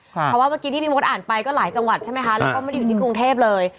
เพราะว่าเมื่อกี้ที่พี่มดอ่านไปก็หลายจังหวัดใช่ไหมคะแล้วก็ไม่ได้อยู่ที่กรุงเทพเลย